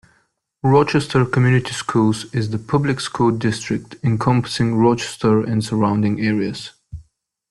Rochester Community Schools is the public school district encompassing Rochester and surrounding areas.